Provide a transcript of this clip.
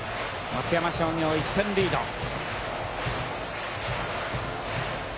松山商業１点リード。